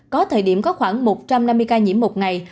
có thời điểm có khoảng một trăm năm mươi ca nhiễm một ngày